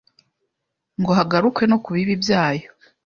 ngo hagarukwe no kubibi byayo